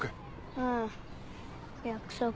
うん約束。